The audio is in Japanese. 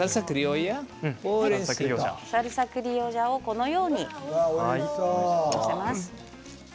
サルサ・クリオジャをこのように載せます。